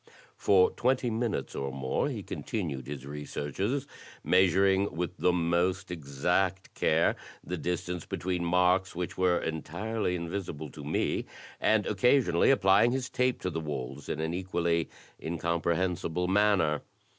For twenty minutes or more he continued his researches, measuring with the most exact care the distance between marks which were entirely invisible to me, and occasionally applying his tape to the walls in an equally incompre hensible manner.